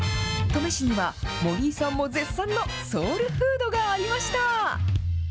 登米市には、森井さんも絶賛のソウルフードがありました。